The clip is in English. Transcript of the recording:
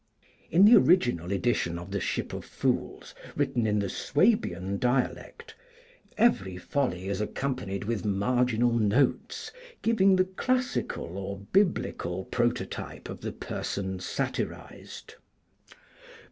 In the original edition of the 'Ship of Fools,' written in the Swabian dialect, every folly is accompanied with marginal notes giving the classical or Biblical prototype of the person satirized.